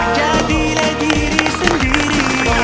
jadilah diri sendiri